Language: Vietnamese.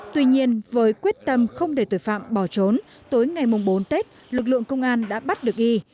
tuy nhiên với quyết tâm không để tội phạm bỏ trốn tối ngày bốn tết lực lượng công an đã bắt được y